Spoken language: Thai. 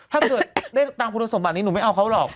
ถ้าเกิดได้ตามคุณสมบัตินี้หนูไม่เอาเขาหรอก